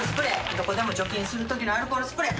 どこでも除菌する時のアルコールスプレー。